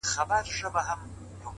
د زړه سکون له رښتینولۍ زېږي؛